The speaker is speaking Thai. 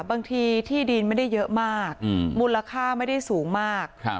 บางทีที่ดินไม่ได้เยอะมากมูลค่าไม่ได้สูงมาก